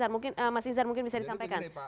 mungkin mas izar mungkin bisa disampaikan